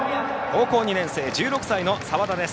高校２年生、１６歳の澤田。